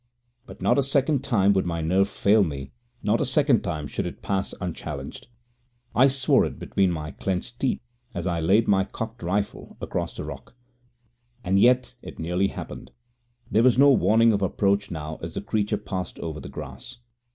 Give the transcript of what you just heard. But not a second time should my nerve fail me, not a second time should it pass unchallenged. I swore it between my clenched teeth as I laid my cocked rifle across the rock. And yet it nearly happened. There was no warning of approach now as the creature passed over the grass.